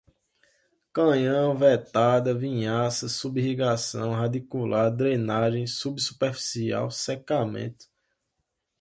canhão, vetada, vinhaça, sub irrigação, radicular, drenagem, subsuperficial, secamento